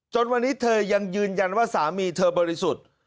จนวันนี้เธอยังยืนยันว่าสามีเธอบริสุทธิ์